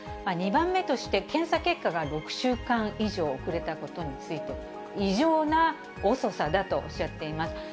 ２番目として、検査結果が６週間以上遅れたことについて、異常な遅さだとおっしゃっています。